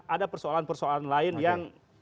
ada persoalan persoalan lain yang